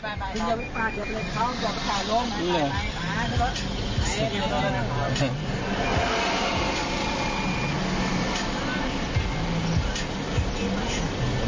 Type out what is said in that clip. ขอบคุณครับ